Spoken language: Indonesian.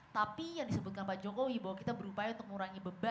tapi yang disebutkan pak jokowi bahwa kita berupaya untuk mengurangi beban